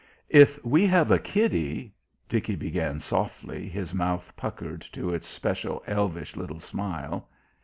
"If we have a kiddie " Dickie began softly, his mouth puckered to its special elvish little smile.